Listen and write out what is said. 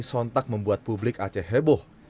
sontak membuat publik aceh heboh